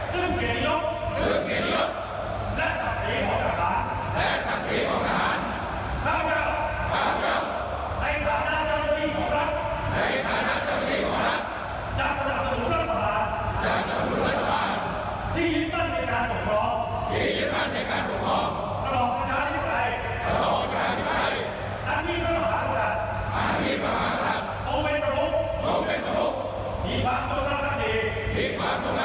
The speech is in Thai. คำกล่าวปฏิญาณคือข้าพระพุทธเจ้าจากรักษามรดกของพระองค์ท่านไว้ด้วยชีวิต